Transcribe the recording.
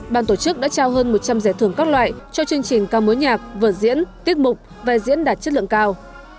ban tổ chức đã trao hơn một trăm linh giải thưởng các loại cho chương trình cao mối nhạc vở diễn tiết mục và diễn đạt chất lượng cao